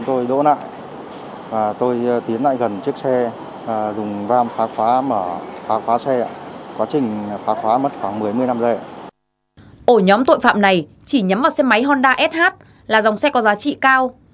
ổ nhóm tội phạm này chỉ nhắm vào xe máy honda sh là dòng xe có giá trị cao